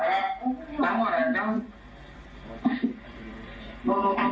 เจรจาต่อรองเงินไป๕ล้านแลกกับการปล่อยตัว